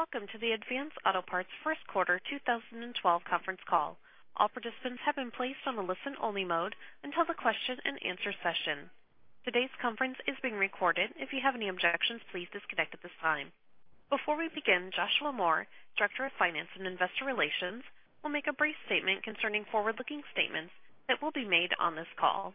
Welcome to the Advance Auto Parts first quarter 2012 conference call. All participants have been placed on a listen-only mode until the question and answer session. Today's conference is being recorded. If you have any objections, please disconnect at this time. Before we begin, Joshua Moore, Director of Finance and Investor Relations, will make a brief statement concerning forward-looking statements that will be made on this call.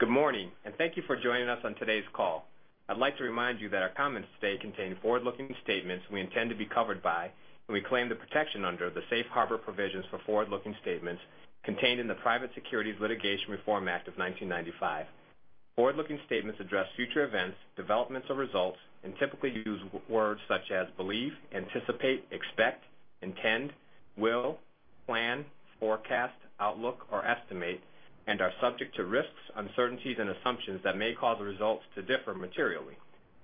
Good morning. Thank you for joining us on today's call. I'd like to remind you that our comments today contain forward-looking statements we intend to be covered by, and we claim the protection under the Safe Harbor provisions for forward-looking statements contained in the Private Securities Litigation Reform Act of 1995. Forward-looking statements address future events, developments or results and typically use words such as believe, anticipate, expect, intend, will, plan, forecast, outlook, or estimate, and are subject to risks, uncertainties, and assumptions that may cause results to differ materially,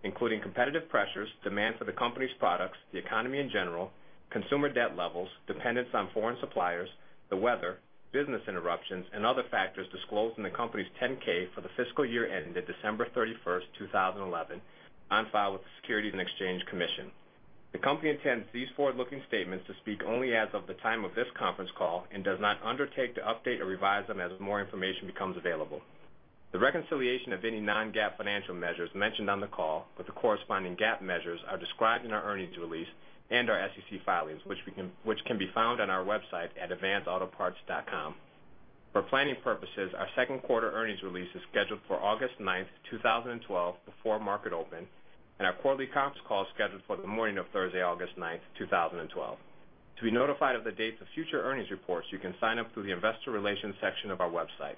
including competitive pressures, demand for the company's products, the economy in general, consumer debt levels, dependence on foreign suppliers, the weather, business interruptions, and other factors disclosed in the company's 10-K for the fiscal year ended December 31st, 2011, on file with the Securities and Exchange Commission. The company intends these forward-looking statements to speak only as of the time of this conference call and does not undertake to update or revise them as more information becomes available. The reconciliation of any non-GAAP financial measures mentioned on the call with the corresponding GAAP measures are described in our earnings release and our SEC filings which can be found on our website at advanceautoparts.com. For planning purposes, our second quarter earnings release is scheduled for August ninth, 2012 before market open, and our quarterly comps call is scheduled for the morning of Thursday, August ninth, 2012. To be notified of the dates of future earnings reports, you can sign up through the investor relations section of our website.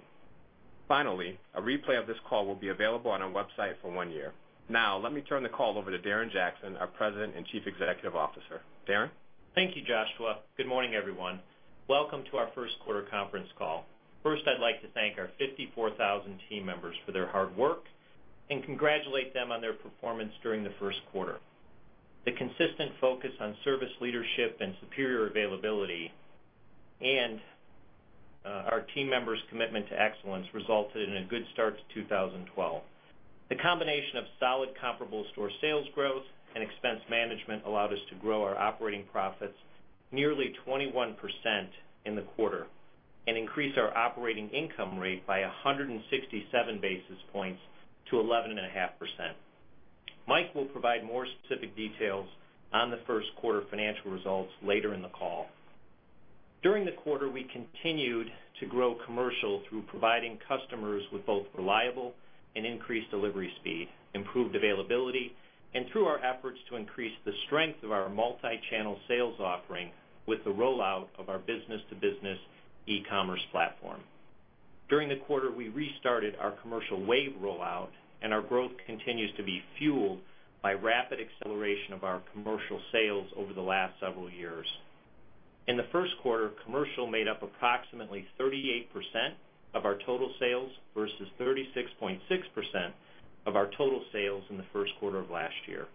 Finally, a replay of this call will be available on our website for one year. Now, let me turn the call over to Darren Jackson, our President and Chief Executive Officer. Darren? Thank you, Joshua. Good morning, everyone. Welcome to our first quarter conference call. First, I'd like to thank our 54,000 team members for their hard work and congratulate them on their performance during the first quarter. The consistent focus on service leadership and superior availability, and our team members' commitment to excellence resulted in a good start to 2012. The combination of solid comparable store sales growth and expense management allowed us to grow our operating profits nearly 21% in the quarter and increase our operating income rate by 167 basis points to 11.5%. Mike will provide more specific details on the first quarter financial results later in the call. During the quarter, we continued to grow commercial through providing customers with both reliable and increased delivery speed, improved availability, and through our efforts to increase the strength of our multi-channel sales offering with the rollout of our business-to-business e-commerce platform. During the quarter, we restarted our Commercial WAVE rollout, and our growth continues to be fueled by rapid acceleration of our commercial sales over the last several years. In the first quarter, commercial made up approximately 38% of our total sales versus 36.6% of our total sales in the first quarter of last year.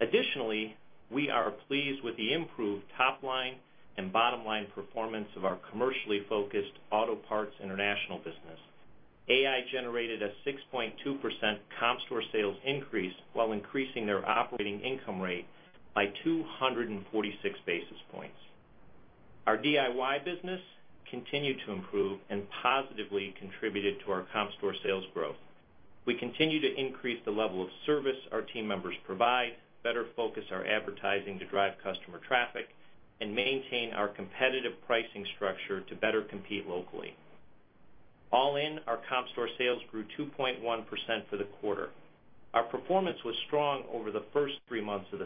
Additionally, we are pleased with the improved top-line and bottom-line performance of our commercially-focused Autopart International business. AI generated a 6.2% comp store sales increase while increasing their operating income rate by 246 basis points. Our DIY business continued to improve and positively contributed to our comp store sales growth. We continue to increase the level of service our team members provide, better focus our advertising to drive customer traffic, and maintain our competitive pricing structure to better compete locally. All in, our comp store sales grew 2.1% for the quarter. Our performance was strong over the first three months of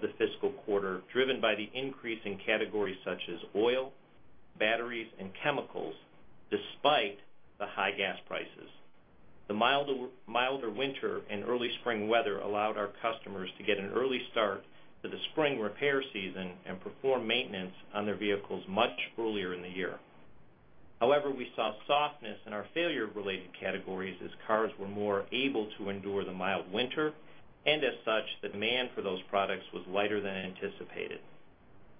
the fiscal quarter, driven by the increase in categories such as oil, batteries, and chemicals, despite the high gas prices. The milder winter and early spring weather allowed our customers to get an early start to the spring repair season and perform maintenance on their vehicles much earlier in the year. However, we saw softness in our failure-related categories as cars were more able to endure the mild winter, and as such, the demand for those products was lighter than anticipated.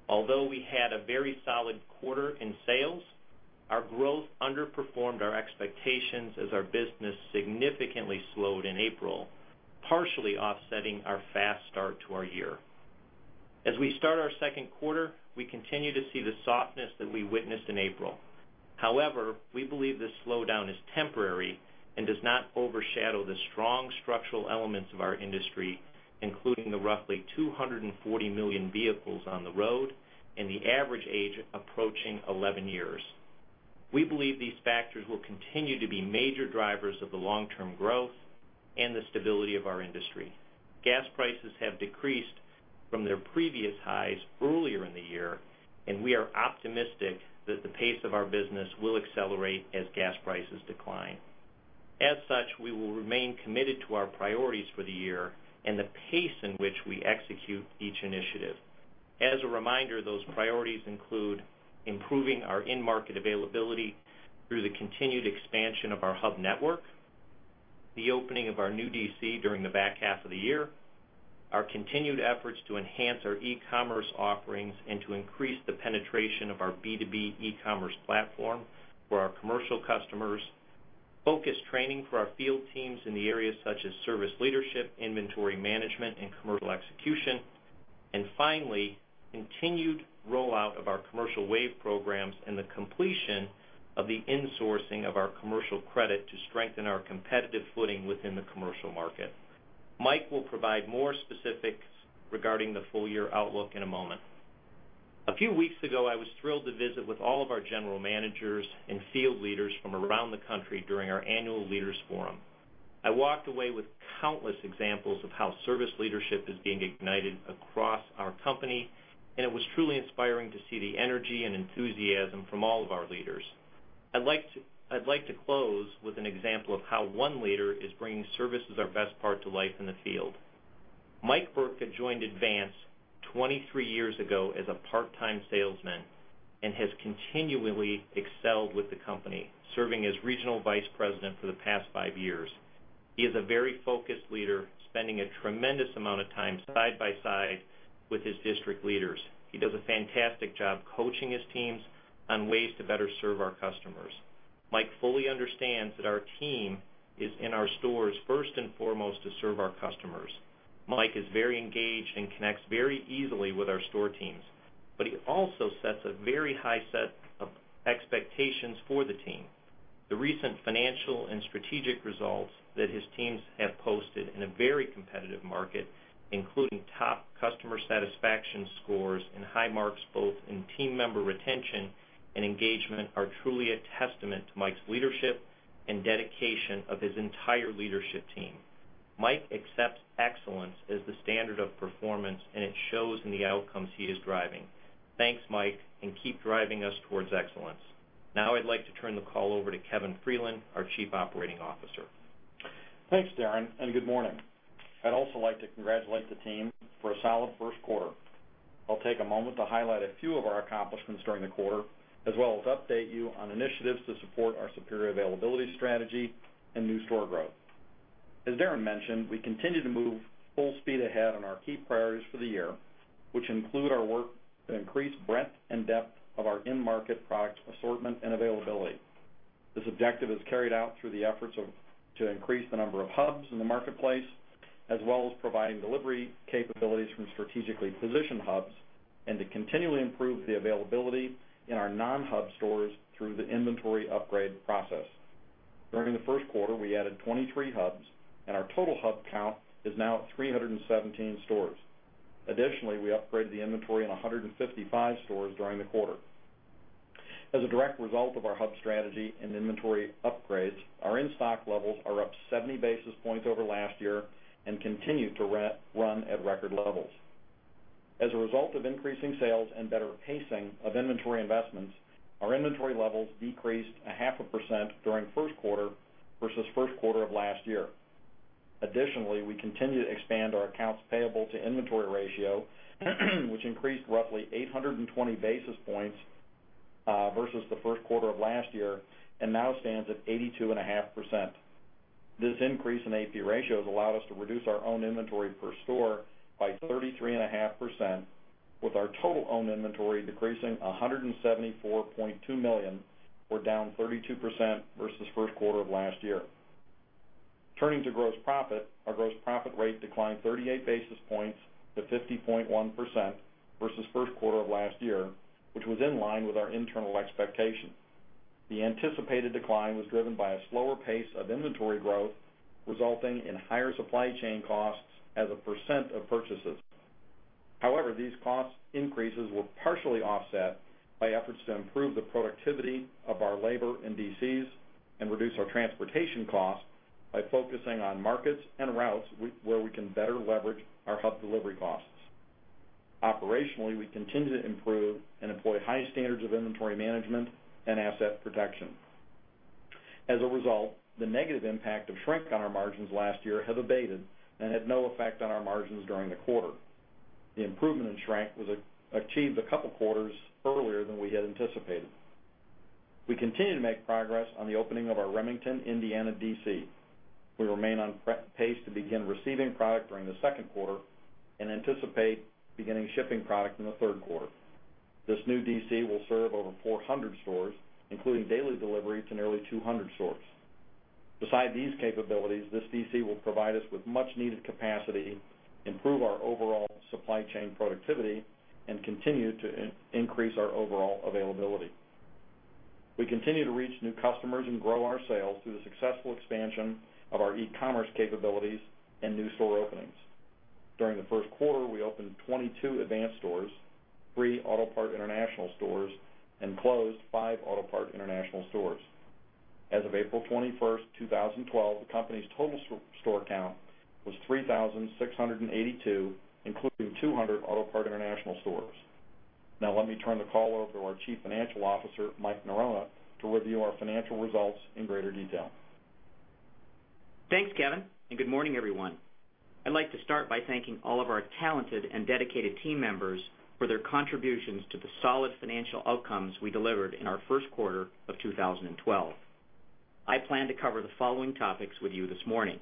Although we had a very solid quarter in sales, our growth underperformed our expectations as our business significantly slowed in April, partially offsetting our fast start to our year. As we start our second quarter, we continue to see the softness that we witnessed in April. However, we believe this slowdown is temporary and does not overshadow the strong structural elements of our industry, including the roughly 240 million vehicles on the road and the average age approaching 11 years. We believe these factors will continue to be major drivers of the long-term growth and the stability of our industry. Gas prices have decreased from their previous highs earlier in the year, and we are optimistic that the pace of our business will accelerate as gas prices decline. As such, we will remain committed to our priorities for the year and the pace in which we execute each initiative. As a reminder, those priorities include improving our in-market availability through the continued expansion of our hub network, the opening of our new DC during the back half of the year, our continued efforts to enhance our e-commerce offerings and to increase the penetration of our B2B e-commerce platform for our commercial customers. Focused training for our field teams in the areas such as service leadership, inventory management, and commercial execution. Finally, continued rollout of our commercial WAVE programs and the completion of the insourcing of our commercial credit to strengthen our competitive footing within the commercial market. Mike will provide more specifics regarding the full-year outlook in a moment. A few weeks ago, I was thrilled to visit with all of our general managers and field leaders from around the country during our annual leaders forum. I walked away with countless examples of how service leadership is being ignited across our company, and it was truly inspiring to see the energy and enthusiasm from all of our leaders. I'd like to close with an example of how one leader is bringing service as our best part to life in the field. Mike Burke had joined Advance 23 years ago as a part-time salesman and has continually excelled with the company, serving as Regional Vice President for the past five years. He is a very focused leader, spending a tremendous amount of time side by side with his district leaders. He does a fantastic job coaching his teams on ways to better serve our customers. Mike fully understands that our team is in our stores first and foremost to serve our customers. Mike is very engaged and connects very easily with our store teams, he also sets a very high set of expectations for the team. The recent financial and strategic results that his teams have posted in a very competitive market, including top customer satisfaction scores and high marks both in team member retention and engagement, are truly a testament to Mike's leadership and dedication of his entire leadership team. Mike accepts excellence as the standard of performance, and it shows in the outcomes he is driving. Thanks, Mike, keep driving us towards excellence. Now I'd like to turn the call over to Kevin Freeland, our Chief Operating Officer. Thanks, Darren, good morning. I'd also like to congratulate the team for a solid first quarter. I'll take a moment to highlight a few of our accomplishments during the quarter, as well as update you on initiatives to support our superior availability strategy and new store growth. As Darren mentioned, we continue to move full speed ahead on our key priorities for the year, which include our work to increase breadth and depth of our end-market product assortment and availability. This objective is carried out through the efforts to increase the number of hubs in the marketplace, as well as providing delivery capabilities from strategically positioned hubs, to continually improve the availability in our non-hub stores through the inventory upgrade process. During the first quarter, we added 23 hubs, our total hub count is now at 317 stores. Additionally, we upgraded the inventory in 155 stores during the quarter. As a direct result of our hub strategy and inventory upgrades, our in-stock levels are up 70 basis points over last year and continue to run at record levels. As a result of increasing sales and better pacing of inventory investments, our inventory levels decreased 0.5% during first quarter versus first quarter of last year. Additionally, we continue to expand our Accounts Payable to inventory ratio, which increased roughly 820 basis points versus the first quarter of last year and now stands at 82.5%. This increase in AP ratio has allowed us to reduce our own inventory per store by 33.5%, with our total owned inventory decreasing $174.2 million, or down 32% versus first quarter of last year. Turning to gross profit, our gross profit rate declined 38 basis points to 50.1% versus first quarter of last year, which was in line with our internal expectation. The anticipated decline was driven by a slower pace of inventory growth, resulting in higher supply chain costs as a percent of purchases. However, these cost increases were partially offset by efforts to improve the productivity of our labor in DCs and reduce our transportation costs by focusing on markets and routes where we can better leverage our hub delivery costs. Operationally, we continue to improve and employ high standards of inventory management and asset protection. As a result, the negative impact of shrink on our margins last year have abated and had no effect on our margins during the quarter. The improvement in shrink was achieved a couple of quarters earlier than we had anticipated. We continue to make progress on the opening of our Remington, Indiana DC. We remain on pace to begin receiving product during the second quarter and anticipate beginning shipping product in the third quarter. This new DC will serve over 400 stores, including daily delivery to nearly 200 stores. Beside these capabilities, this DC will provide us with much needed capacity, improve our overall supply chain productivity, and continue to increase our overall availability. We continue to reach new customers and grow our sales through the successful expansion of our e-commerce capabilities and new store openings. During the first quarter, we opened 22 Advance stores, three Autopart International stores, and closed five Autopart International stores. As of April 21st, 2012, the company's total store count was 3,682, including 200 Autopart International stores. Let me turn the call over to our Chief Financial Officer, Mike Norona, to review our financial results in greater detail. Thanks, Kevin, and good morning, everyone. I'd like to start by thanking all of our talented and dedicated team members for their contributions to the solid financial outcomes we delivered in our first quarter of 2012. I plan to cover the following topics with you this morning.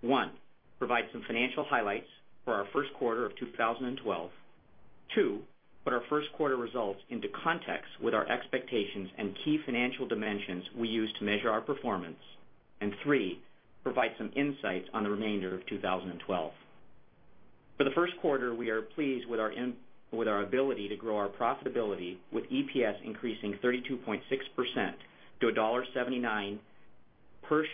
One, provide some financial highlights for our first quarter of 2012. Two, put our first quarter results into context with our expectations and key financial dimensions we use to measure our performance. Three, provide some insights on the remainder of 2012. For the first quarter, we are pleased with our ability to grow our profitability, with EPS increasing 32.6% to $1.79 per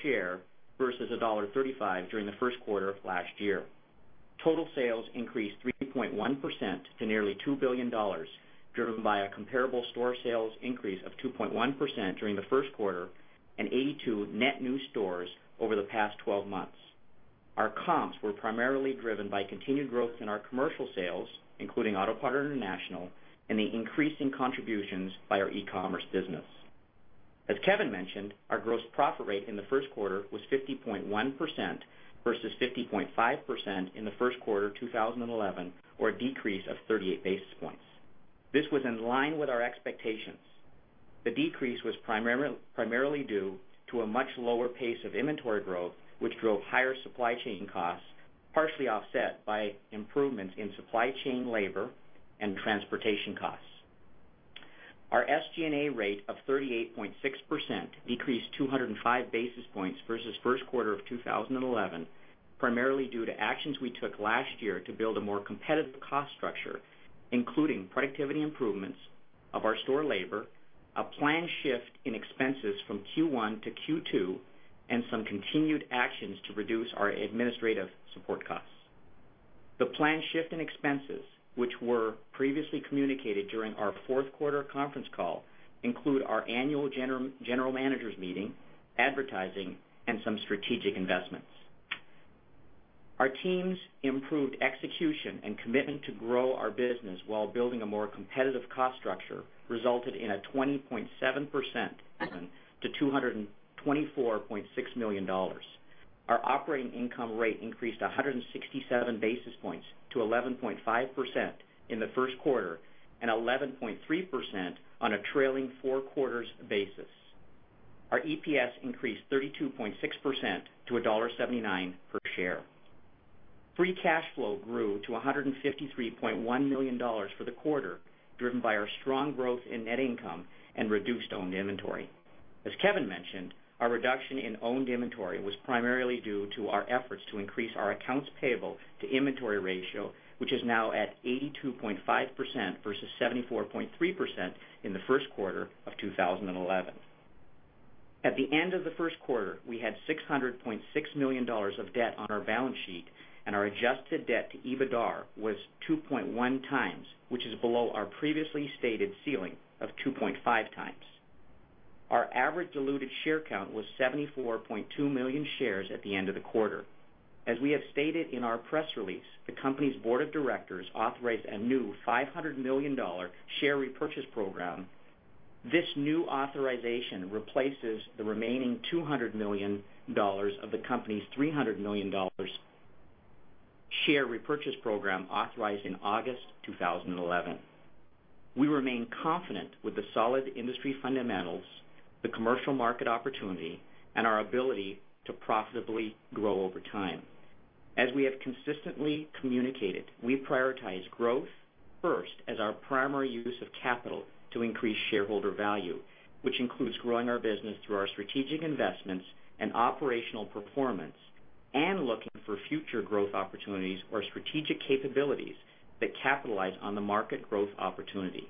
share, versus $1.35 during the first quarter of last year. Total sales increased 3.1% to nearly $2 billion, driven by a comparable store sales increase of 2.1% during the first quarter and 82 net new stores over the past 12 months. Our comps were primarily driven by continued growth in our commercial sales, including Autopart International, and the increasing contributions by our e-commerce business. As Kevin mentioned, our gross profit rate in the first quarter was 50.1% versus 50.5% in the first quarter 2011, or a decrease of 38 basis points. This was in line with our expectations. The decrease was primarily due to a much lower pace of inventory growth, which drove higher supply chain costs, partially offset by improvements in supply chain labor and transportation costs. Our SG&A rate of 38.6% decreased 205 basis points versus first quarter of 2011, primarily due to actions we took last year to build a more competitive cost structure, including productivity improvements of our store labor, a planned shift in expenses from Q1 to Q2, and some continued actions to reduce our administrative support costs. The planned shift in expenses, which were previously communicated during our fourth quarter conference call, include our annual general managers meeting, advertising, and some strategic investments. Our team's improved execution and commitment to grow our business while building a more competitive cost structure resulted in a 20.7% to $224.6 million. Our operating income rate increased 167 basis points to 11.5% in the first quarter, and 11.3% on a trailing four quarters basis. Our EPS increased 32.6% to $1.79 per share. Free cash flow grew to $153.1 million for the quarter, driven by our strong growth in net income and reduced owned inventory. As Kevin mentioned, our reduction in owned inventory was primarily due to our efforts to increase our Accounts Payable to inventory ratio, which is now at 82.5% versus 74.3% in the first quarter of 2011. At the end of the first quarter, we had $600.6 million of debt on our balance sheet, and our adjusted debt to EBITDAR was 2.1 times, which is below our previously stated ceiling of 2.5 times. Our average diluted share count was 74.2 million shares at the end of the quarter. As we have stated in our press release, the company's board of directors authorized a new $500 million share repurchase program. This new authorization replaces the remaining $200 million of the company's $300 million share repurchase program authorized in August 2011. We remain confident with the solid industry fundamentals, the commercial market opportunity, and our ability to profitably grow over time. As we have consistently communicated, we prioritize growth first as our primary use of capital to increase shareholder value, which includes growing our business through our strategic investments and operational performance, and looking for future growth opportunities or strategic capabilities that capitalize on the market growth opportunity.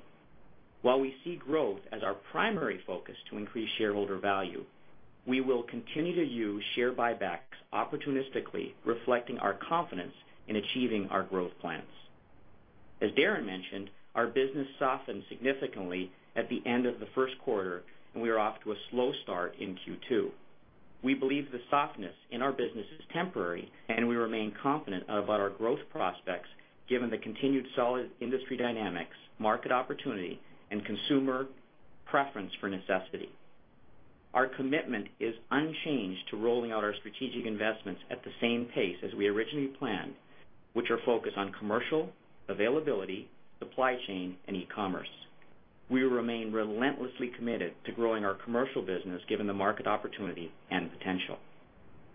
While we see growth as our primary focus to increase shareholder value, we will continue to use share buybacks opportunistically, reflecting our confidence in achieving our growth plans. As Darren mentioned, our business softened significantly at the end of the first quarter, and we are off to a slow start in Q2. We believe the softness in our business is temporary, and we remain confident about our growth prospects given the continued solid industry dynamics, market opportunity, and consumer preference for necessity. Our commitment is unchanged to rolling out our strategic investments at the same pace as we originally planned, which are focused on commercial availability, supply chain, and e-commerce. We remain relentlessly committed to growing our commercial business, given the market opportunity and potential.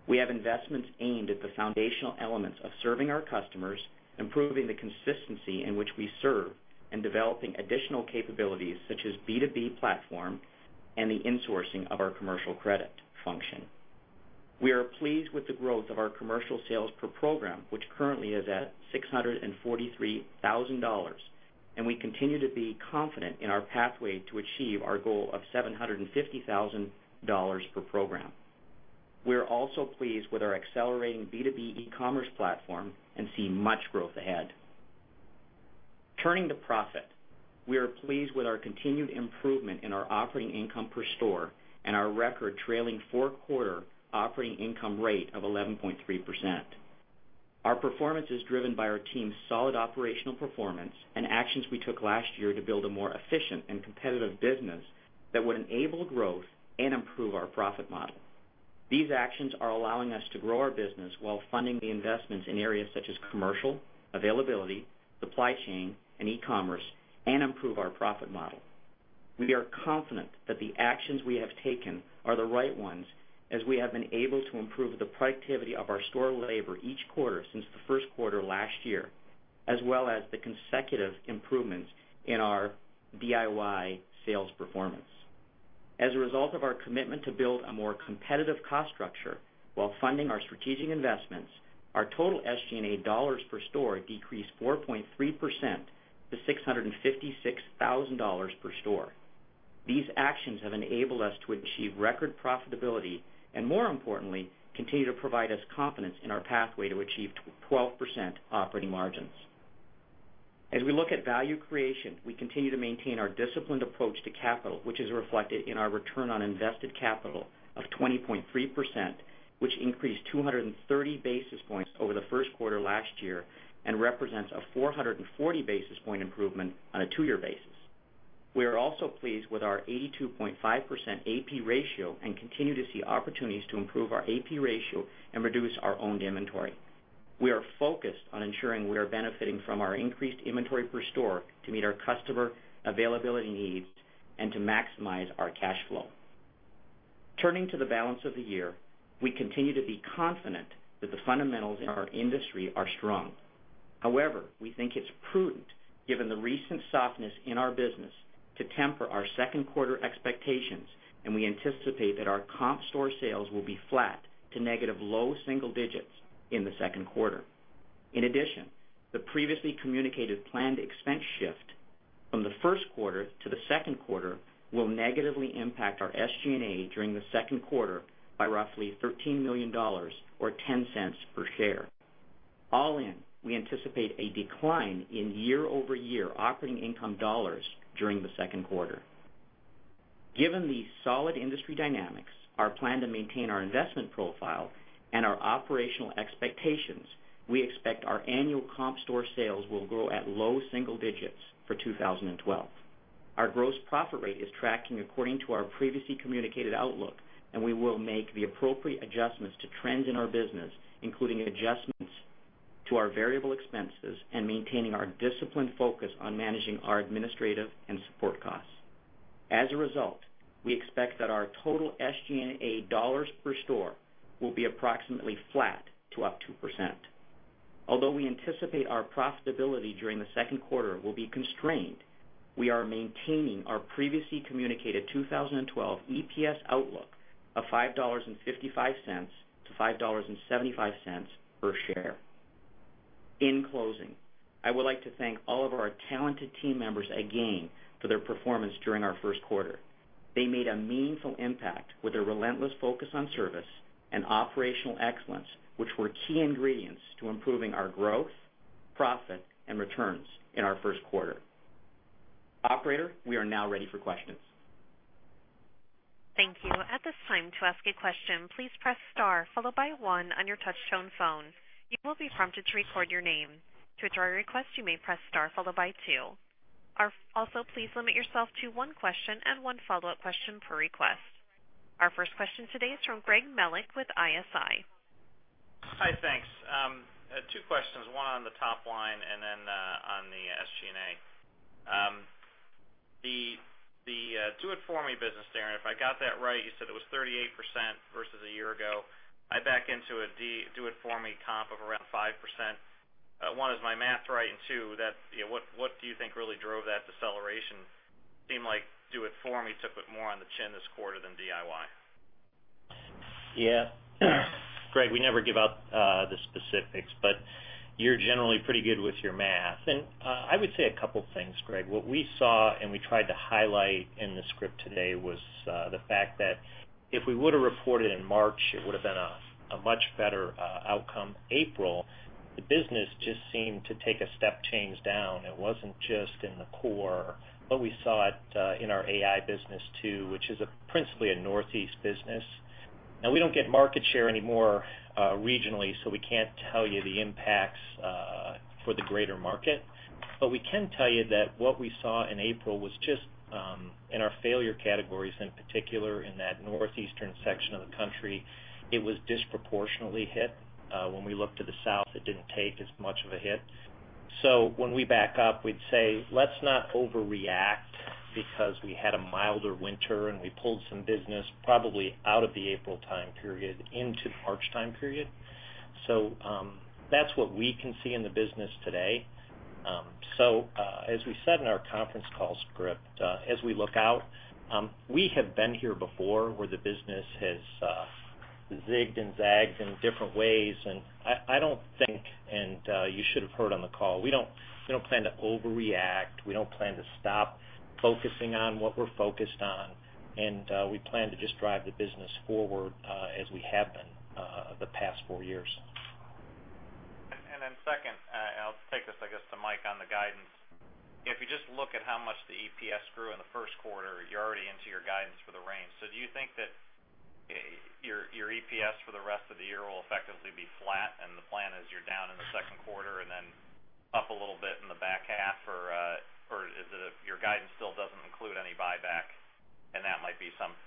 We have investments aimed at the foundational elements of serving our customers, improving the consistency in which we serve, and developing additional capabilities such as B2B platform and the insourcing of our commercial credit function. We are pleased with the growth of our commercial sales per program, which currently is at $643,000, and we continue to be confident in our pathway to achieve our goal of $750,000 per program. We are also pleased with our accelerating B2B e-commerce platform and see much growth ahead. Turning to profit, we are pleased with our continued improvement in our operating income per store and our record trailing four-quarter operating income rate of 11.3%. Our performance is driven by our team's solid operational performance and actions we took last year to build a more efficient and competitive business that would enable growth and improve our profit model. These actions are allowing us to grow our business while funding the investments in areas such as commercial, availability, supply chain, and e-commerce, and improve our profit model. We are confident that the actions we have taken are the right ones, as we have been able to improve the productivity of our store labor each quarter since the first quarter last year, as well as the consecutive improvements in our DIY sales performance. As a result of our commitment to build a more competitive cost structure while funding our strategic investments, our total SG&A dollars per store decreased 4.3% to $656,000 per store. These actions have enabled us to achieve record profitability, and more importantly, continue to provide us confidence in our pathway to achieve 12% operating margins. As we look at value creation, we continue to maintain our disciplined approach to capital, which is reflected in our return on invested capital of 20.3%, which increased 230 basis points over the first quarter last year and represents a 440 basis point improvement on a two-year basis. We are also pleased with our 82.5% AP ratio and continue to see opportunities to improve our AP ratio and reduce our owned inventory. We are focused on ensuring we are benefiting from our increased inventory per store to meet our customer availability needs and to maximize our cash flow. Turning to the balance of the year, we continue to be confident that the fundamentals in our industry are strong. However, we think it's prudent, given the recent softness in our business, to temper our second quarter expectations, and we anticipate that our comp store sales will be flat to negative low single digits in the second quarter. In addition, the previously communicated planned expense shift from the first quarter to the second quarter will negatively impact our SG&A during the second quarter by roughly $13 million or $0.10 per share. All in, we anticipate a decline in year-over-year operating income dollars during the second quarter. Given the solid industry dynamics, our plan to maintain our investment profile and our operational expectations, we expect our annual comp store sales will grow at low single digits for 2012. Our gross profit rate is tracking according to our previously communicated outlook, and we will make the appropriate adjustments to trends in our business, including adjustments to our variable expenses and maintaining our disciplined focus on managing our administrative and support costs. As a result, we expect that our total SG&A dollars per store will be approximately flat to up 2%. Although we anticipate our profitability during the second quarter will be constrained, we are maintaining our previously communicated 2012 EPS outlook of $5.55-$5.75 per share. In closing, I would like to thank all of our talented team members again for their performance during our first quarter. They made a meaningful impact with a relentless focus on service and operational excellence, which were key ingredients to improving our growth, profit, and returns in our first quarter. Operator, we are now ready for questions. Thank you. At this time, to ask a question, please press star followed by one on your touch-tone phone. You will be prompted to record your name. To withdraw your request, you may press star followed by two. Also, please limit yourself to one question and one follow-up question per request. Our first question today is from Greg Melich with ISI. Hi, thanks. Two questions, one on the top line and then on the SG&A. The Do It For Me business, Darren, if I got that right, you said it was 38% versus a year ago. I back into a Do It For Me comp of around 5%. One, is my math right? Two, what do you think really drove that deceleration? Seemed like Do It For Me took it more on the chin this quarter than DIY. Yeah. Greg, we never give out the specifics, but you're generally pretty good with your math. I would say a couple things, Greg. What we saw and we tried to highlight in the script today was the fact that if we would've reported in March, it would've been a much better outcome. April, the business just seemed to take a step change down. It wasn't just in the core, but we saw it in our AI business too, which is principally a Northeast business. We don't get market share anymore regionally, so we can't tell you the impacts for the greater market. We can tell you that what we saw in April was just in our failure categories, in particular in that northeastern section of the country, it was disproportionately hit. When we looked to the South, it didn't take as much of a hit. When we back up, we'd say, let's not overreact because we had a milder winter, and we pulled some business probably out of the April time period into the March time period. That's what we can see in the business today. As we said in our conference call script, as we look out, we have been here before where the business has zigged and zagged in different ways, and I don't think, and you should have heard on the call, we don't plan to overreact. We don't plan to stop focusing on what we're focused on, and we plan to just drive the business forward as we have been the past four years. Second, I'll take this, I guess, to Mike on the guidance. If you just look at how much the EPS grew in the first quarter, you're already into your guidance for the range. Do you think that your EPS for the rest of the year will effectively be flat and the plan is you're down in the second quarter and then up a little bit in the back half? Your guidance still doesn't include any buyback, and that might be some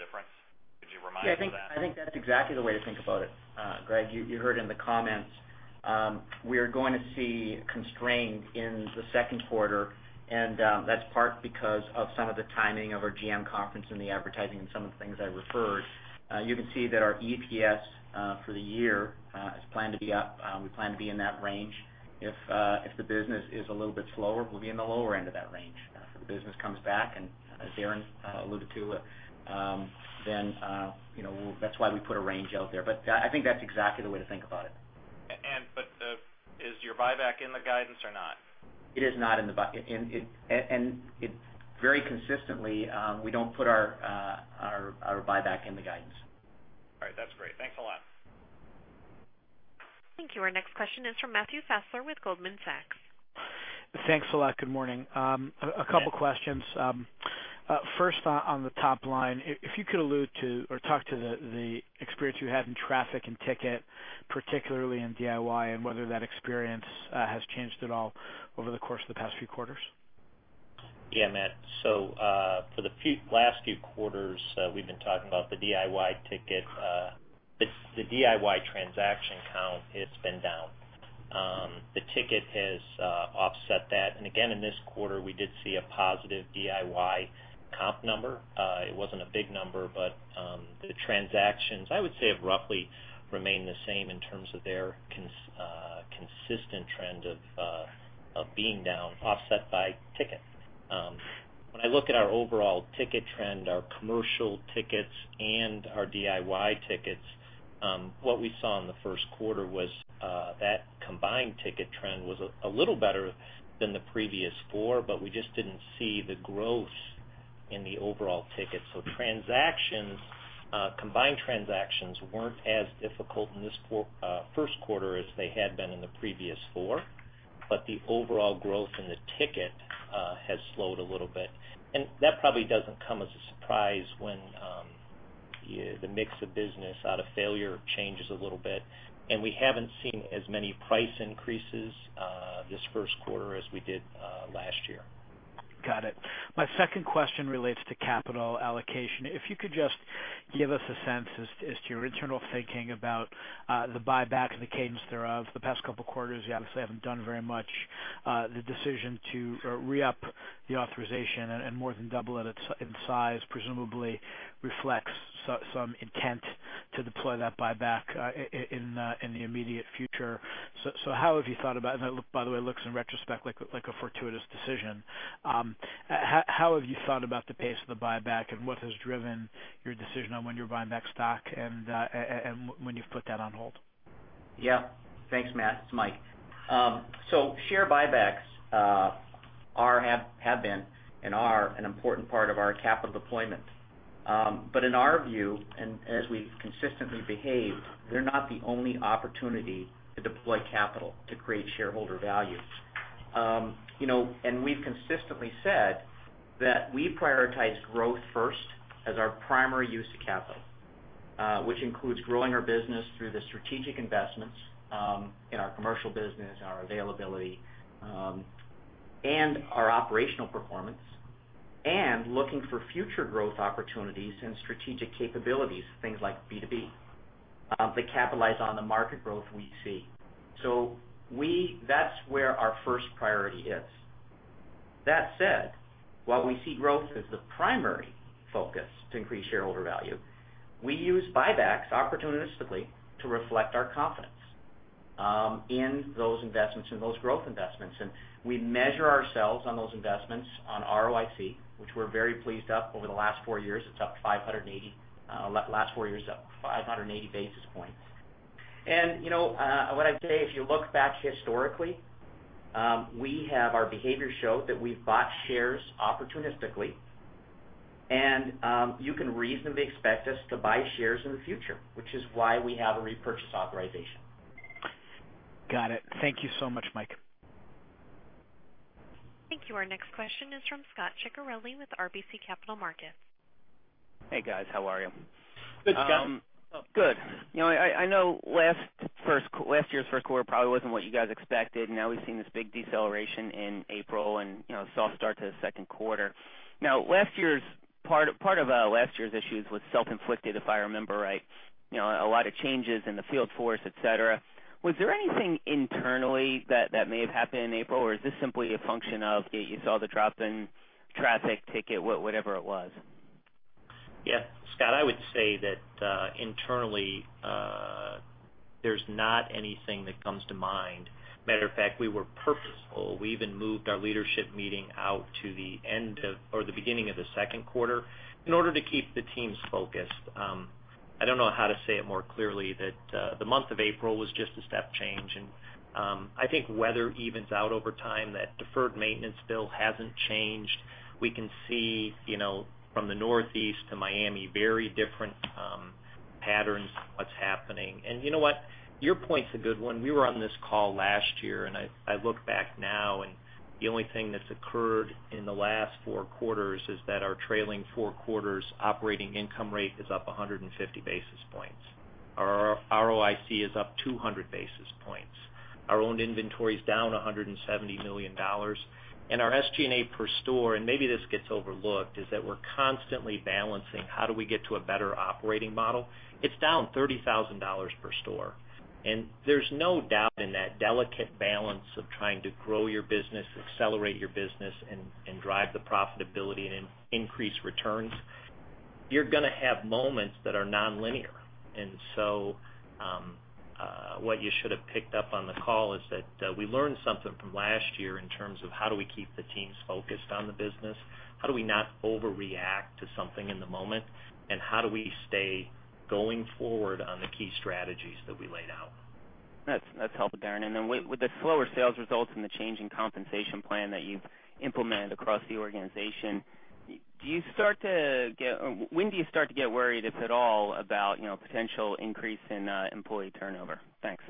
difference. Could you remind me of that? Yeah, I think that's exactly the way to think about it, Greg. You heard in the comments, we are going to see constraint in the second quarter, and that's part because of some of the timing of our GM conference and the advertising and some of the things I referred. You can see that our EPS for the year is planned to be up. We plan to be in that range. If the business is a little bit slower, we'll be in the lower end of that range. If the business comes back, and as Darren alluded to, then that's why we put a range out there. I think that's exactly the way to think about it. Is your buyback in the guidance or not? It is not in the. Very consistently, we don't put our buyback in the guidance. All right. That's great. Thanks a lot. Thank you. Our next question is from Matthew Fassler with Goldman Sachs. Thanks a lot. Good morning. Matt. A couple questions. First, on the top line, if you could allude to or talk to the experience you had in traffic and ticket, particularly in DIY, and whether that experience has changed at all over the course of the past few quarters. Yeah, Matt. For the last few quarters we've been talking about the DIY ticket. The DIY transaction count has been down. The ticket has offset that. Again, in this quarter, we did see a positive DIY comp number. It wasn't a big number, but the transactions, I would say, have roughly remained the same in terms of their consistent trend of being down offset by ticket. When I look at our overall ticket trend, our commercial tickets and our DIY tickets, what we saw in the first quarter was that combined ticket trend was a little better than the previous four, but we just didn't see the growth in the overall ticket. Combined transactions weren't as difficult in this first quarter as they had been in the previous four, the overall growth in the ticket has slowed a little bit, that probably doesn't come as a surprise when the mix of business out of failure changes a little bit. We haven't seen as many price increases this first quarter as we did last year. Got it. My second question relates to capital allocation. If you could just give us a sense as to your internal thinking about the buyback and the cadence thereof. The past couple of quarters, you obviously haven't done very much. The decision to re-up the authorization and more than double it in size presumably reflects some intent to deploy that buyback in the immediate future. How have you thought about it? By the way, it looks in retrospect like a fortuitous decision. How have you thought about the pace of the buyback and what has driven your decision on when you buy back stock and when you've put that on hold? Thanks, Matthew. It's Mike. Share buybacks have been and are an important part of our capital deployment. In our view, and as we've consistently behaved, they're not the only opportunity to deploy capital to create shareholder value. We've consistently said that we prioritize growth first as our primary use of capital, which includes growing our business through the strategic investments in our commercial business and our availability and our operational performance, and looking for future growth opportunities and strategic capabilities, things like B2B, that capitalize on the market growth we see. That's where our first priority is. That said, while we see growth as the primary focus to increase shareholder value, we use buybacks opportunistically to reflect our confidence in those investments, in those growth investments. We measure ourselves on those investments on ROIC, which we're very pleased up over the last four years. It's up 580 basis points. What I'd say, if you look back historically, our behavior showed that we've bought shares opportunistically, and you can reasonably expect us to buy shares in the future, which is why we have a repurchase authorization. Got it. Thank you so much, Mike. Thank you. Our next question is from Scot Ciccarelli with RBC Capital Markets. Hey, guys. How are you? Good, Scot. Good. I know last year's first quarter probably wasn't what you guys expected, and now we've seen this big deceleration in April and a soft start to the second quarter. Now, part of last year's issues was self-inflicted, if I remember right. A lot of changes in the field force, et cetera. Was there anything internally that may have happened in April, or is this simply a function of you saw the drop in traffic ticket, whatever it was? Yeah. Scot, I would say that internally, there's not anything that comes to mind. Matter of fact, we were purposeful. We even moved our leadership meeting out to the beginning of the second quarter in order to keep the teams focused. I don't know how to say it more clearly that the month of April was just a step change, and I think weather evens out over time. That deferred maintenance bill hasn't changed. We can see from the Northeast to Miami, very different patterns of what's happening. You know what? Your point's a good one. We were on this call last year, and I look back now, and the only thing that's occurred in the last four quarters is that our trailing four quarters operating income rate is up 150 basis points. Our ROIC is up 200 basis points. Our own inventory is down $170 million. Our SG&A per store, and maybe this gets overlooked, is that we're constantly balancing how do we get to a better operating model. It's down $30,000 per store. There's no doubt in that delicate balance of trying to grow your business, accelerate your business, and drive the profitability and increase returns, you're going to have moments that are nonlinear. What you should have picked up on the call is that we learned something from last year in terms of how do we keep the teams focused on the business? How do we not overreact to something in the moment? How do we stay going forward on the key strategies that we laid out? That's helpful, Darren. With the slower sales results and the change in compensation plan that you've implemented across the organization, when do you start to get worried, if at all, about potential increase in employee turnover? Thanks.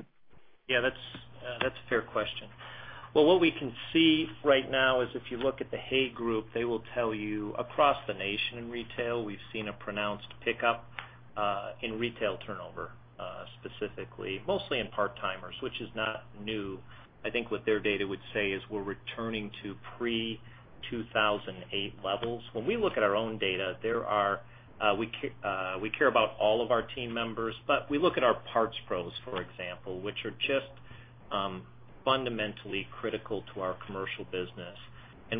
Yeah, that's a fair question. Well, what we can see right now is if you look at the Hay Group, they will tell you across the nation in retail, we've seen a pronounced pickup in retail turnover, specifically, mostly in part-timers, which is not new. I think what their data would say is we're returning to pre-2008 levels. When we look at our own data, we care about all of our team members, but we look at our Parts Pros, for example, which are just fundamentally critical to our commercial business.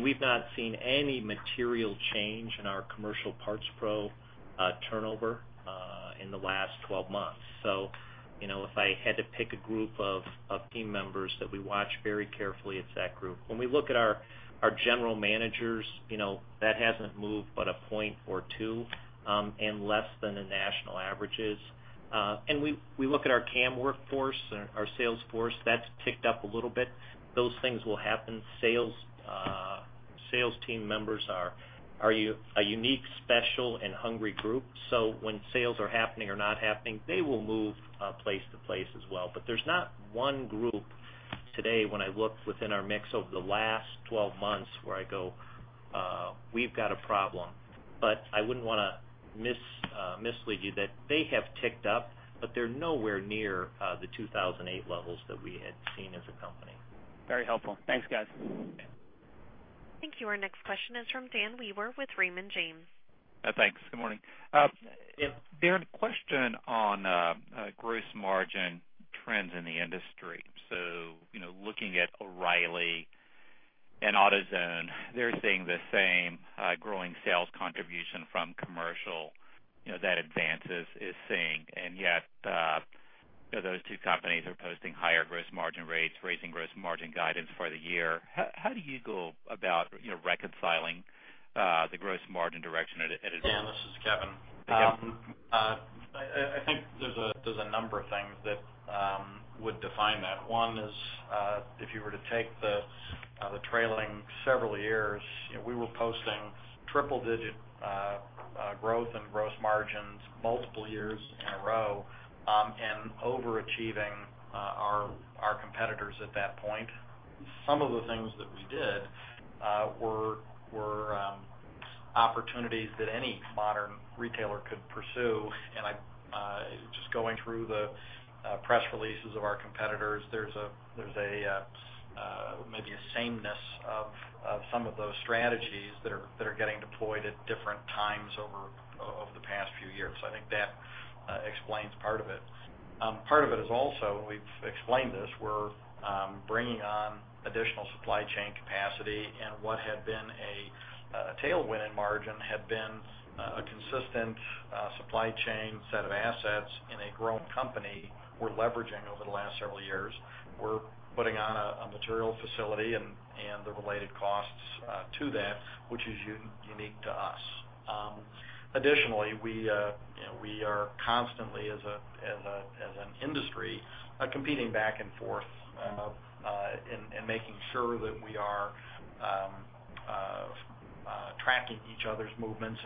We've not seen any material change in our Commercial Parts Pro turnover in the last 12 months. If I had to pick a group of team members that we watch very carefully, it's that group. When we look at our general managers, that hasn't moved but a point or two in less than the national average is. We look at our CAM workforce, our sales force, that's ticked up a little bit. Those things will happen. Sales team members are a unique, special, and hungry group. When sales are happening or not happening, they will move place to place as well. There's not one group today when I look within our mix over the last 12 months where I go, "We've got a problem." I wouldn't want to mislead you that they have ticked up, but they're nowhere near the 2008 levels that we had seen as a company. Very helpful. Thanks, guys. Thank you. Our next question is from Dan Wewer with Raymond James. Thanks. Good morning. Darren, question on gross margin trends in the industry. Looking at O'Reilly and AutoZone, they're seeing the same growing sales contribution from commercial that Advance is seeing, and yet those two companies are posting higher gross margin rates, raising gross margin guidance for the year. How do you go about reconciling the gross margin direction at Advance? Dan, this is Kevin. Hi, Kevin. I think there's a number of things that would define that. One is if you were to take the trailing several years, we were posting triple-digit growth in gross margins multiple years in a row and overachieving our competitors at that point. Some of the things that we did were opportunities that any modern retailer could pursue. Just going through the press releases of our competitors, there's maybe a sameness of some of those strategies that are getting deployed at different times over the past few years. I think that explains part of it. Part of it is also, we've explained this, we're bringing on additional supply chain capacity and what had been a tailwind in margin had been a consistent supply chain set of assets in a growing company we're leveraging over the last several years. We're putting on a material facility and the related costs to that, which is unique to us. Additionally, we are constantly, as an industry, competing back and forth and making sure that we are tracking each other's movements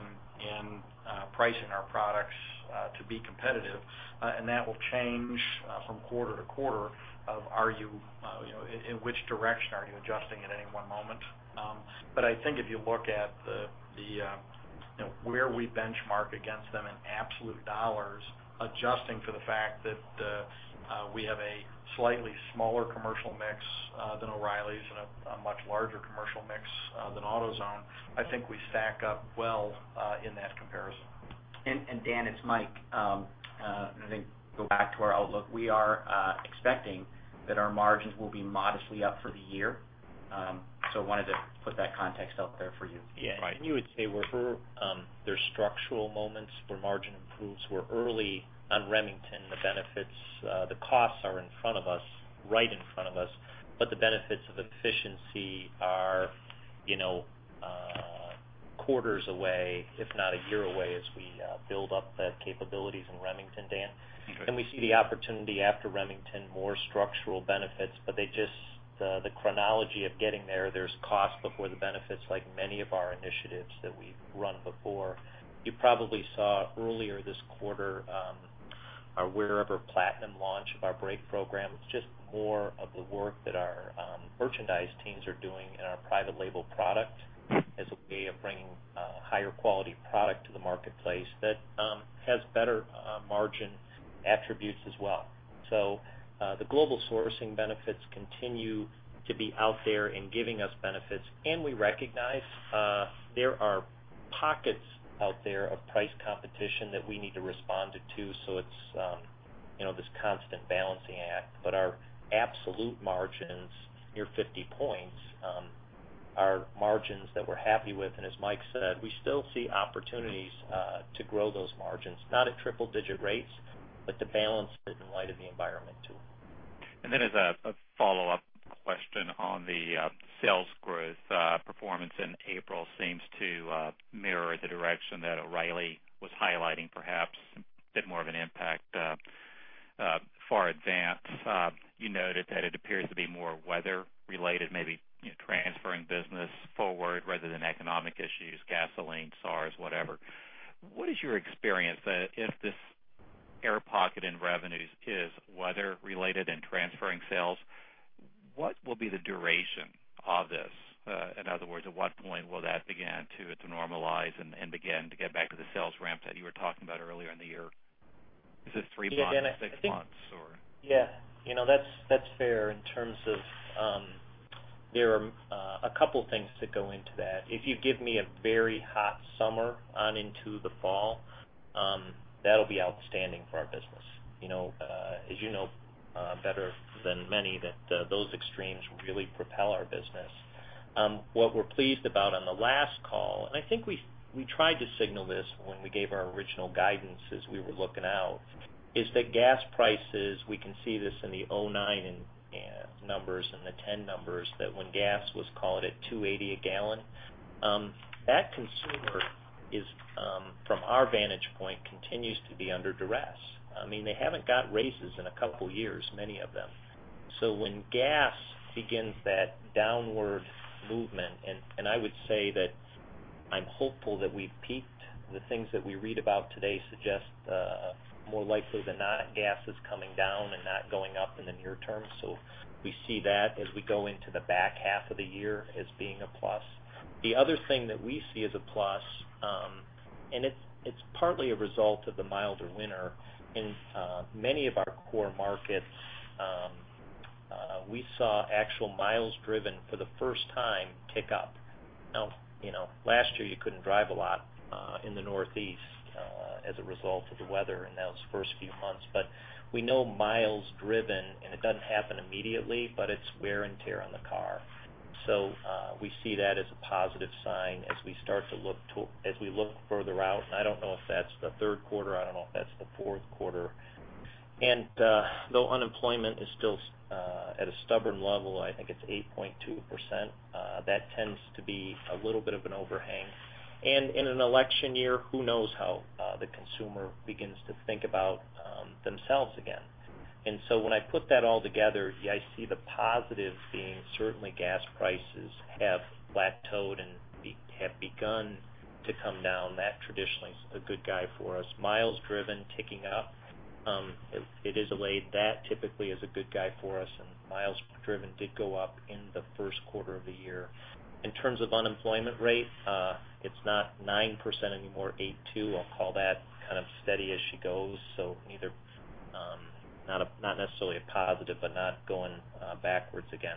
and pricing our products to be competitive. That will change from quarter to quarter of in which direction are you adjusting at any one moment. I think if you look at where we benchmark against them in absolute dollars, adjusting for the fact that we have a slightly smaller commercial mix than O'Reilly's and a much larger commercial mix than AutoZone, I think we stack up well in that comparison. Dan, it's Mike. I think go back to our outlook. We are expecting that our margins will be modestly up for the year. I wanted to put that context out there for you. Yeah. You would say there's structural moments where margin improves. We're early on Remington. The costs are in front of us, right in front of us, the benefits of efficiency are quarters away, if not a year away, as we build up the capabilities in Remington, Dan. Okay. We see the opportunity after Remington, more structural benefits, the chronology of getting there's cost before the benefits, like many of our initiatives that we've run before. You probably saw earlier this quarter Our Wearever Platinum launch of our brake program is just more of the work that our merchandise teams are doing in our private label product as a way of bringing a higher quality product to the marketplace that has better margin attributes as well. The global sourcing benefits continue to be out there and giving us benefits. We recognize there are pockets out there of price competition that we need to respond to. It's this constant balancing act, but our absolute margins, near 50 points, are margins that we're happy with. As Mike said, we still see opportunities to grow those margins, not at triple-digit rates, but to balance it in light of the environment, too. As a follow-up question on the sales growth performance in April seems to mirror the direction that O'Reilly was highlighting, perhaps a bit more of an impact for Advance. You noted that it appears to be more weather-related, maybe transferring business forward rather than economic issues, gasoline, SAAR, whatever. What is your experience, if this air pocket in revenues is weather-related and transferring sales, what will be the duration of this? In other words, at what point will that begin to normalize and begin to get back to the sales ramp that you were talking about earlier in the year? Is this three months, six months, or? Yeah. That's fair in terms of, there are a couple things that go into that. If you give me a very hot summer on into the fall, that'll be outstanding for our business. As you know better than many, those extremes really propel our business. What we're pleased about on the last call, and I think we tried to signal this when we gave our original guidance as we were looking out, is that gas prices, we can see this in the 2009 numbers and the 2010 numbers, that when gas was, call it at $2.80 a gallon, that consumer is, from our vantage point, continues to be under duress. They haven't got raises in a couple years, many of them. When gas begins that downward movement, and I would say that I'm hopeful that we've peaked. The things that we read about today suggest, more likely than not, gas is coming down and not going up in the near term. We see that as we go into the back half of the year as being a plus. The other thing that we see as a plus, and it's partly a result of the milder winter in many of our core markets, we saw actual miles driven for the first time tick up. Now, last year you couldn't drive a lot in the Northeast as a result of the weather in those first few months. We know miles driven, and it doesn't happen immediately, but it's wear and tear on the car. We see that as a positive sign as we look further out, and I don't know if that's the third quarter, I don't know if that's the fourth quarter. Though unemployment is still at a stubborn level, I think it's 8.2%, that tends to be a little bit of an overhang. In an election year, who knows how the consumer begins to think about themselves again. When I put that all together, I see the positive being certainly gas prices have plateaued and have begun to come down. That traditionally is a good guy for us. Miles driven ticking up. It is a way that typically is a good guy for us, and miles driven did go up in the first quarter of the year. In terms of unemployment rate, it's not 9% anymore, 8.2%. I'll call that kind of steady as she goes. Not necessarily a positive, but not going backwards again.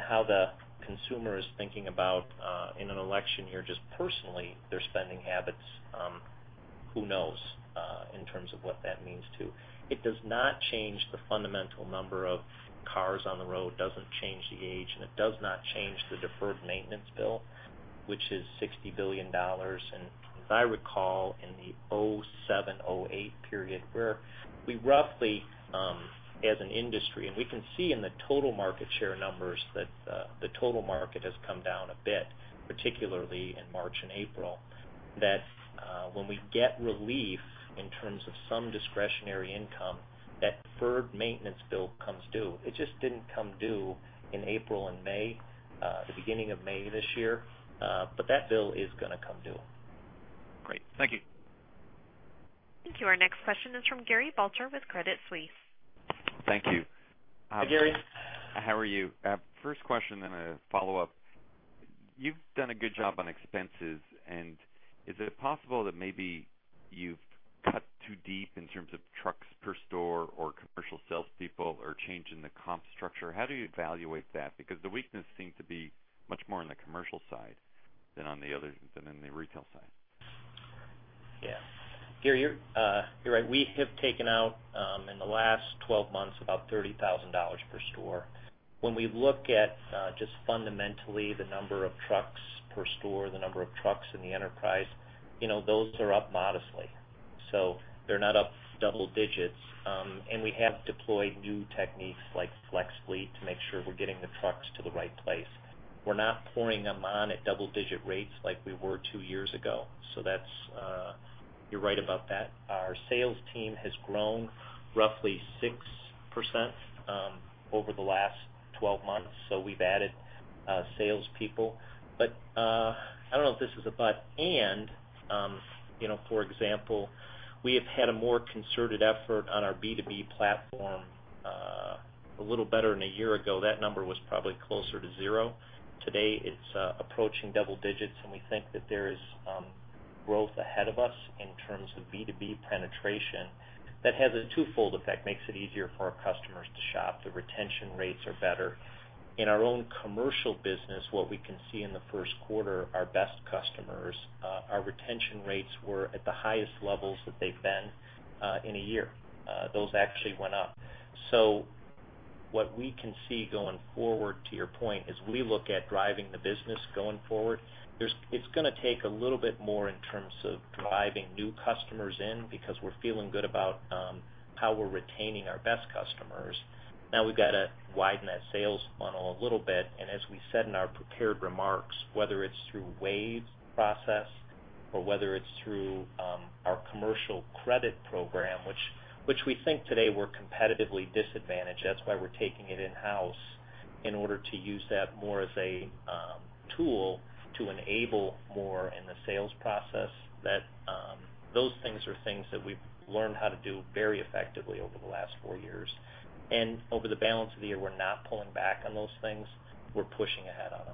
How the consumer is thinking about, in an election year, just personally, their spending habits, who knows, in terms of what that means, too. It does not change the fundamental number of cars on the road, doesn't change the age, and it does not change the deferred maintenance bill, which is $60 billion. As I recall, in the '07-'08 period, where we roughly, as an industry, and we can see in the total market share numbers that the total market has come down a bit, particularly in March and April, that when we get relief in terms of some discretionary income, that deferred maintenance bill comes due. It just didn't come due in April and May, the beginning of May this year. That bill is going to come due. Great. Thank you. Thank you. Our next question is from Gary Balter with Credit Suisse. Thank you. Hi, Gary. How are you? First question, then a follow-up. You've done a good job on expenses, is it possible that maybe you've cut too deep in terms of trucks per store or commercial salespeople or change in the comp structure? How do you evaluate that? Because the weakness seemed to be much more on the commercial side than in the retail side. Yeah. Gary, you're right. We have taken out, in the last 12 months, about $30,000 per store. When we look at just fundamentally the number of trucks per store, the number of trucks in the enterprise, those are up modestly. They're not up double digits. We have deployed new techniques like flex fleet to make sure we're getting the trucks to the right place. We're not pouring them on at double-digit rates like we were two years ago. You're right about that. Our sales team has grown roughly 6% over the last 12 months. We've added salespeople. I don't know if this is a but, and for example, we have had a more concerted effort on our B2B platform. A little better than a year ago, that number was probably closer to zero. Today it's approaching double digits. We think that there is growth ahead of us in terms of B2B penetration that has a twofold effect. Makes it easier for our customers to shop. The retention rates are better. In our own commercial business, what we can see in the first quarter, our best customers, our retention rates were at the highest levels that they've been in a year. Those actually went up. What we can see going forward, to your point, as we look at driving the business going forward, it's going to take a little bit more in terms of driving new customers in because we're feeling good about how we're retaining our best customers. Now we've got to widen that sales funnel a little bit. As we said in our prepared remarks, whether it's through WAVE process or whether it's through our commercial credit program, which we think today we're competitively disadvantaged, that's why we're taking it in-house in order to use that more as a tool to enable more in the sales process, those things are things that we've learned how to do very effectively over the last four years. Over the balance of the year, we're not pulling back on those things. We're pushing ahead on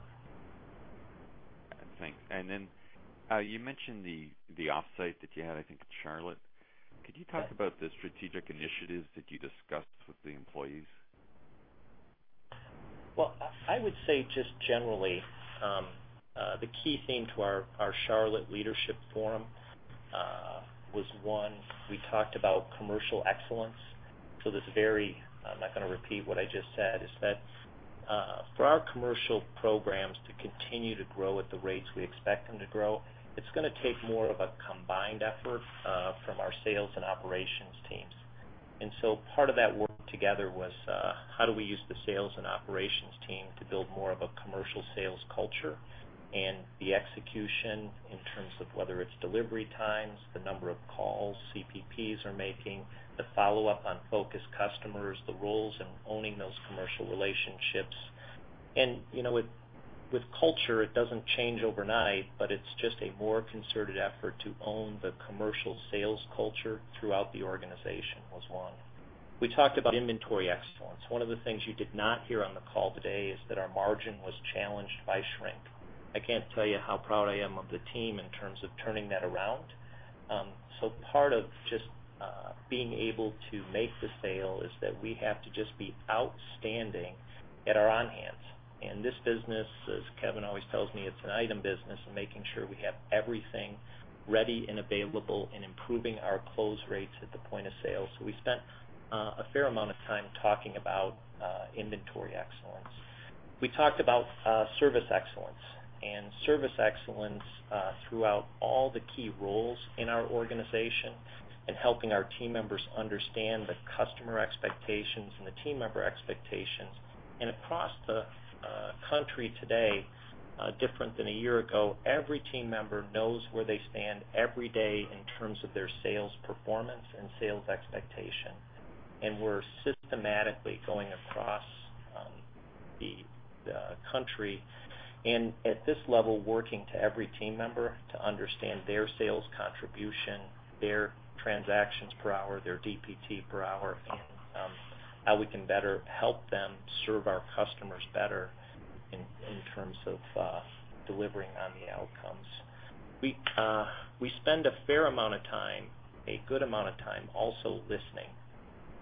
them. Thanks. You mentioned the offsite that you had, I think, in Charlotte. Could you talk about the strategic initiatives that you discussed with the employees? Well, I would say just generally, the key theme to our Charlotte leadership forum was one, we talked about commercial excellence. This very, I'm not going to repeat what I just said, is that for our commercial programs to continue to grow at the rates we expect them to grow, it's going to take more of a combined effort from our sales and operations teams. Part of that work together was how do we use the sales and operations team to build more of a commercial sales culture and the execution in terms of whether it's delivery times, the number of calls CPPs are making, the follow-up on focus customers, the roles in owning those commercial relationships. With culture, it doesn't change overnight, but it's just a more concerted effort to own the commercial sales culture throughout the organization was one. We talked about inventory excellence. One of the things you did not hear on the call today is that our margin was challenged by shrink. I can't tell you how proud I am of the team in terms of turning that around. Part of just being able to make the sale is that we have to just be outstanding at our on-hands. This business, as Kevin always tells me, it's an item business and making sure we have everything ready and available and improving our close rates at the point of sale. We spent a fair amount of time talking about inventory excellence. We talked about service excellence and service excellence throughout all the key roles in our organization and helping our team members understand the customer expectations and the team member expectations. Across the country today, different than a year ago, every team member knows where they stand every day in terms of their sales performance and sales expectation. We're systematically going across the country and at this level, working to every team member to understand their sales contribution, their transactions per hour, their DPT per hour, and how we can better help them serve our customers better in terms of delivering on the outcomes. We spend a fair amount of time, a good amount of time also listening.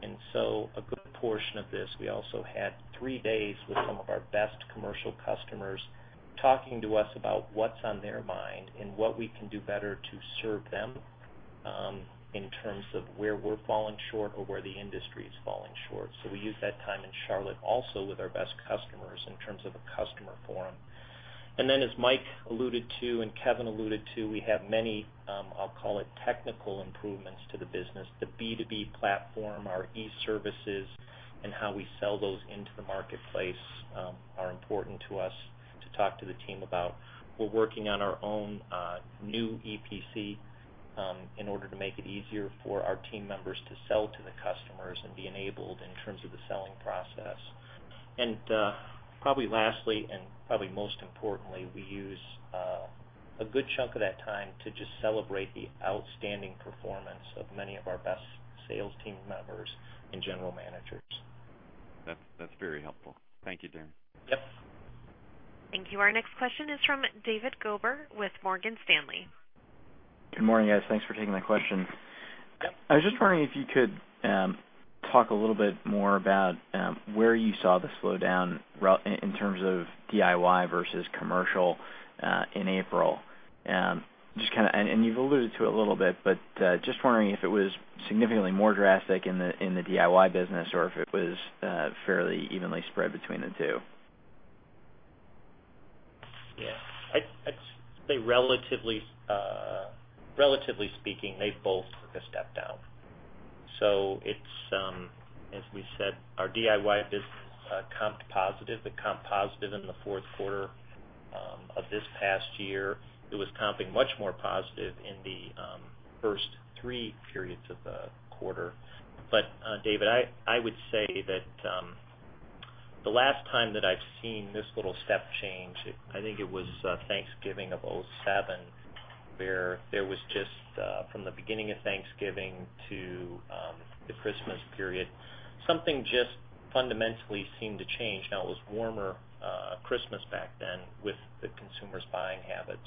A good portion of this, we also had three days with some of our best commercial customers talking to us about what's on their mind and what we can do better to serve them, in terms of where we're falling short or where the industry is falling short. We used that time in Charlotte also with our best customers in terms of a customer forum. As Mike alluded to and Kevin alluded to, we have many, I'll call it technical improvements to the business. The B2B platform, our e-services, and how we sell those into the marketplace are important to us to talk to the team about. We're working on our own new EPC in order to make it easier for our team members to sell to the customers and be enabled in terms of the selling process. Probably lastly, and probably most importantly, we use a good chunk of that time to just celebrate the outstanding performance of many of our best sales team members and general managers. That's very helpful. Thank you, Darren. Yep. Thank you. Our next question is from David Gober with Morgan Stanley. Good morning, guys. Thanks for taking my question. Yep. I was just wondering if you could talk a little bit more about where you saw the slowdown in terms of DIY versus commercial in April. You've alluded to it a little bit, but just wondering if it was significantly more drastic in the DIY business or if it was fairly evenly spread between the two. Yeah. I'd say relatively speaking, they both took a step down. It's, as we said, our DIY business comped positive. It comped positive in the fourth quarter of this past year, it was comping much more positive in the first three periods of the quarter. David, I would say that the last time that I've seen this little step change, I think it was Thanksgiving of 2007, where there was just, from the beginning of Thanksgiving to the Christmas period, something just fundamentally seemed to change. Now it was warmer Christmas back then with the consumer's buying habits.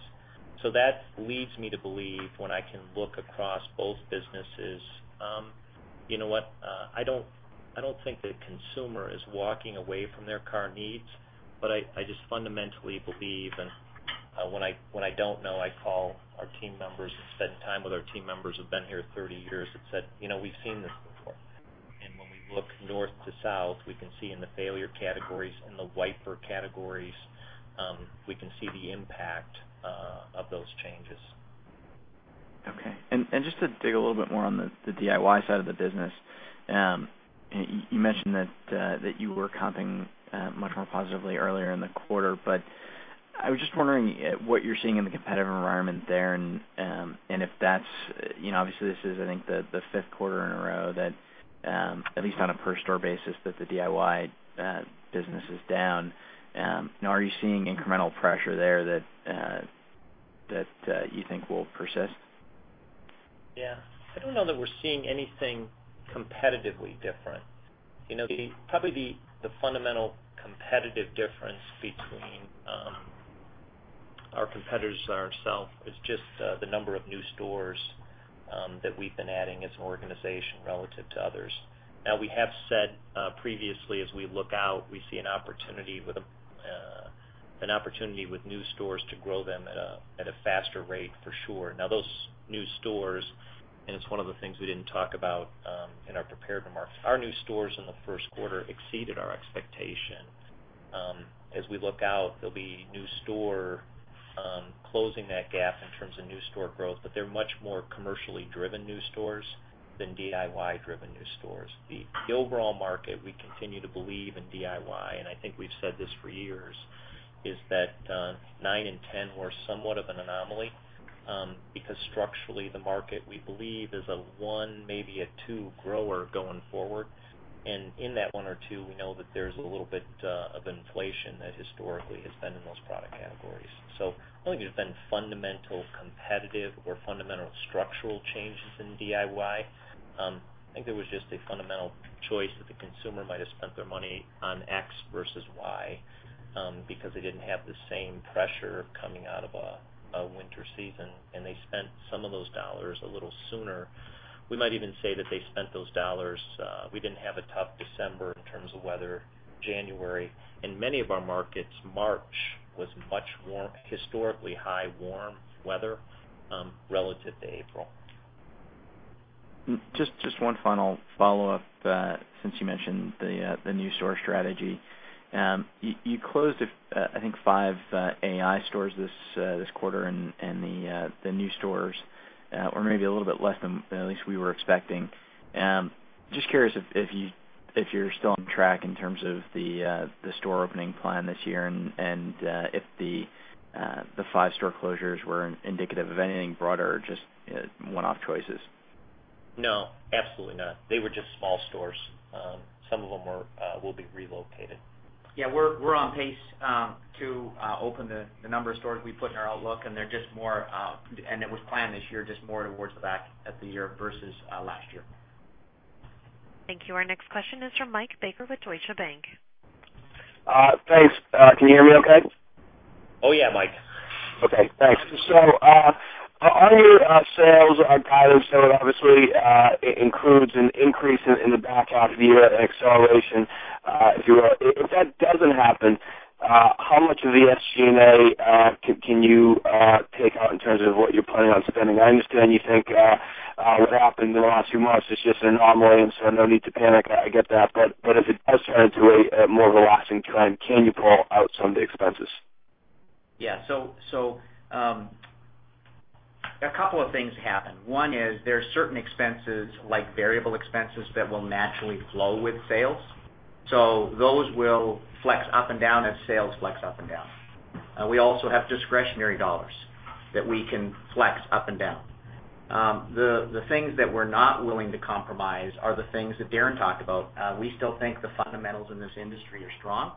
That leads me to believe, when I can look across both businesses, you know what? I don't think the consumer is walking away from their car needs, I just fundamentally believe, when I don't know, I call our team members and spend time with our team members who've been here 30 years and said, "We've seen this before." When we look north to south, we can see in the failure categories, in the wiper categories, we can see the impact of those changes. Okay. Just to dig a little bit more on the DIY side of the business. You mentioned that you were comping much more positively earlier in the quarter, I was just wondering what you're seeing in the competitive environment there and if that's obviously this is, I think the fifth quarter in a row that, at least on a per store basis, that the DIY business is down. Are you seeing incremental pressure there that you think will persist? Yeah. I don't know that we're seeing anything competitively different. Probably the fundamental competitive difference between our competitors and ourselves is just the number of new stores that we've been adding as an organization relative to others. Now, we have said previously, as we look out, we see an opportunity with new stores to grow them at a faster rate, for sure. Now those new stores, it's one of the things we didn't talk about in our prepared remarks, our new stores in the first quarter exceeded our expectation. As we look out, there'll be new store closing that gap in terms of new store growth, they're much more commercially driven new stores than DIY-driven new stores. The overall market, we continue to believe in DIY, I think we've said this for years, is that nine and 10 were somewhat of an anomaly. Structurally, the market, we believe, is a one, maybe a two grower going forward. In that one or two, we know that there's a little bit of inflation that historically has been in those product categories. I don't think there's been fundamental competitive or fundamental structural changes in DIY. I think there was just a fundamental choice that the consumer might have spent their money on X versus Y because they didn't have the same pressure coming out of a winter season, they spent some of those dollars a little sooner. We might even say that they spent those dollars. We didn't have a tough December in terms of weather, January. In many of our markets, March was historically high warm weather relative to April. Just one final follow-up, since you mentioned the new store strategy. You closed, I think, five AI stores this quarter, and the new stores were maybe a little bit less than, at least we were expecting. Just curious if you're still on track in terms of the store opening plan this year, and if the five store closures were indicative of anything broader or just one-off choices. No, absolutely not. They were just small stores. Some of them will be relocated. We're on pace to open the number of stores we put in our outlook, and they're just more towards the back half of the year versus last year, and it was planned this year. Thank you. Our next question is from Mike Baker with Deutsche Bank. Thanks. Can you hear me okay? Oh, yeah, Mike. Okay, thanks. On your sales on guidance, so it obviously includes an increase in the back half of the year and acceleration, if you will. If that doesn't happen, how much of the SG&A can you take out in terms of what you're planning on spending? I understand you think what happened in the last few months is just an anomaly, no need to panic. I get that, if it does turn into a more of a lasting trend, can you pull out some of the expenses? Yeah. A couple of things happen. One is there are certain expenses, like variable expenses, that will naturally flow with sales. Those will flex up and down as sales flex up and down. We also have discretionary dollars that we can flex up and down. The things that we're not willing to compromise are the things that Darren talked about. We still think the fundamentals in this industry are strong.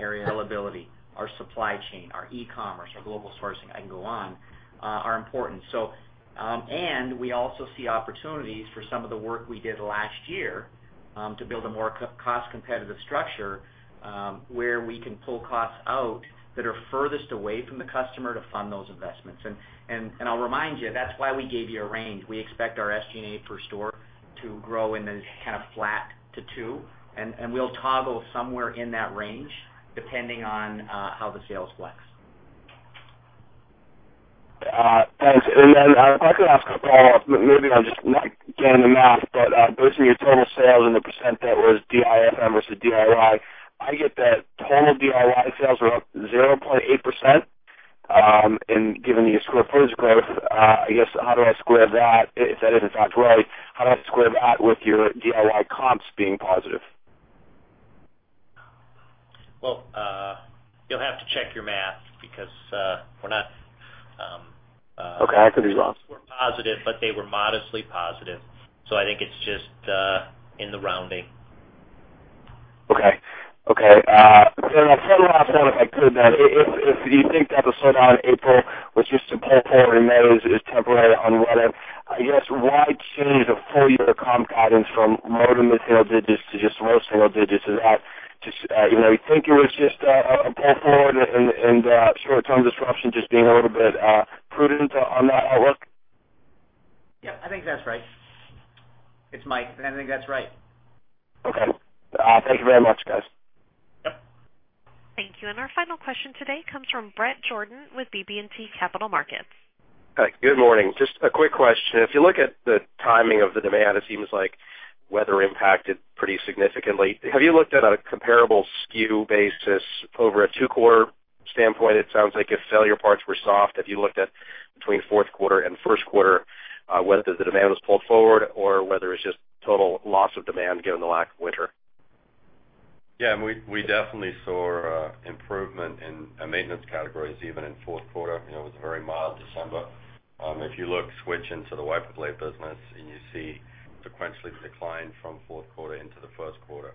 Area availability, our supply chain, our e-commerce, our global sourcing, I can go on, are important. We also see opportunities for some of the work we did last year to build a more cost-competitive structure, where we can pull costs out that are furthest away from the customer to fund those investments. I'll remind you, that's why we gave you a range. We expect our SG&A per store to grow in the half flat to 2, we'll toggle somewhere in that range depending on how the sales flex. Thanks. If I could ask a follow-up. Maybe I'm just not getting the math, based on your total sales and the percent that was DIFM versus DIY, I get that total DIY sales were up 0.8%. Given your slower sales growth, I guess, how do I square that, if that is in fact right, how do I square that with your DIY comps being positive? Well, you'll have to check your math because we're not. Okay. I could be wrong. We're positive, but they were modestly positive, so I think it's just in the rounding. Okay. My follow-up question, if I could then, if you think the slowdown in April was just a pull forward and that it is temporary on weather, I guess, why change the full year comp guidance from low to mid-single digits to just low single digits? Is that just, you think it was just a pull forward and short-term disruption just being a little bit prudent on that outlook? Yeah, I think that's right. It's Mike. I think that's right. Okay. Thank you very much, guys. Yep. Thank you. Our final question today comes from Bret Jordan with BB&T Capital Markets. Good morning. Just a quick question. If you look at the timing of the demand, it seems like weather impacted pretty significantly. Have you looked at a comparable SKU basis over a two-quarter standpoint? It sounds like if failure parts were soft, if you looked at between fourth quarter and first quarter, whether the demand was pulled forward or whether it's just total loss of demand given the lack of winter. Yeah, we definitely saw improvement in our maintenance categories, even in fourth quarter. It was a very mild December. If you look, switch into the wiper blade business, and you see sequentially decline from fourth quarter into the first quarter.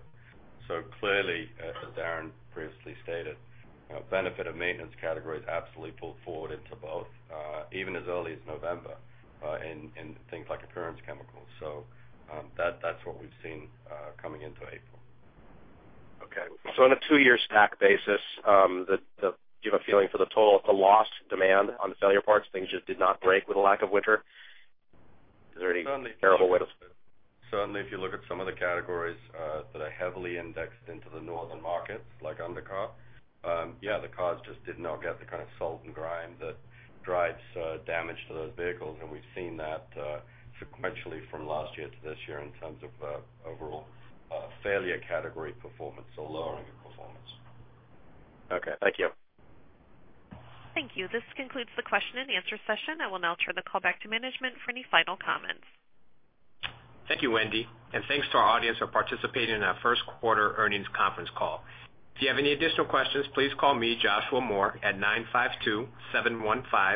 Clearly, as Darren previously stated, benefit of maintenance categories absolutely pulled forward into both, even as early as November, in things like appearance chemicals. That's what we've seen coming into April. Okay. On a two-year stack basis, do you have a feeling for the total, the lost demand on the failure parts? Things just did not break with the lack of winter. Is there any comparable way to Certainly, if you look at some of the categories that are heavily indexed into the northern markets, like undercar, yeah, the cars just did not get the kind of salt and grime that drives damage to those vehicles, and we've seen that sequentially from last year to this year in terms of overall failure category performance or lowering of performance. Okay. Thank you. Thank you. This concludes the question and answer session. I will now turn the call back to management for any final comments. Thank you, Wendy, and thanks to our audience for participating in our first quarter earnings conference call. If you have any additional questions, please call me, Joshua Moore, at nine five two seven one five